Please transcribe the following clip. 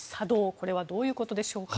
これはどういうことでしょうか。